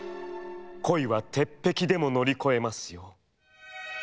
恋は鉄壁でも乗り越えますよ」。